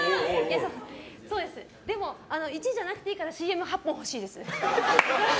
でも、１位じゃなくていいからＣＭ８本欲しいです。